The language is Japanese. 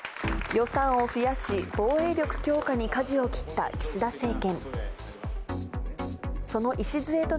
予算を増やし、防衛力強化にかじを切った岸田政権。